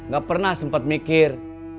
gak pernah sempat mikir